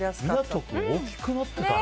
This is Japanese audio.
湊君、大きくなってたね。